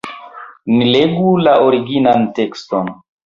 Ni legu la originan tekston.